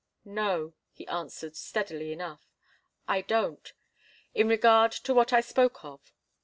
"No," he answered, steadily enough. "I don't in regard to what I spoke of.